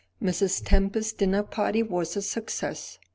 Mrs. Tempest's dinner party was a success.